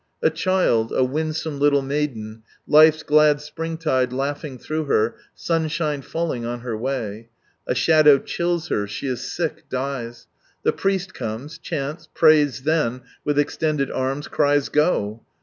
A child, a winsome hitle maiden, life's glad springtide laughing through her, sunshine falling on her way. A shadow chills her, she is sick, dies. The priest comes, chants, prays, then, with extended arms, cries, "Go."